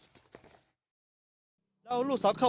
ชาวบ้านในพื้นที่บอกว่าปกติผู้ตายเขาก็อยู่กับสามีแล้วก็ลูกสองคนนะฮะ